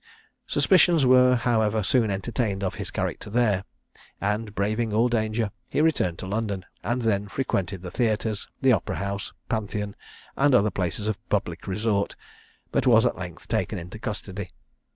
Suspicions were, however, soon entertained of his character there, and, braving all danger, he returned to London, and there frequented the theatres, the Opera House, Pantheon, and other places of public resort, but was at length taken into custody.